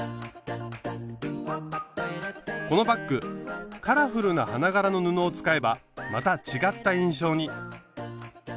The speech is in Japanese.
このバッグカラフルな花柄の布を使えばまた違った印象に。